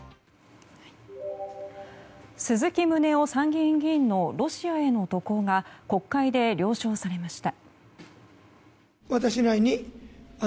鈴木宗男参議院議員のロシアへの渡航が国会で了承されました。